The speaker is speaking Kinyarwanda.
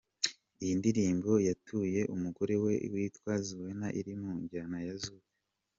Iyi ndirimbo yatuye umugore we witwa Zuena iri mu njyana ya Zouk.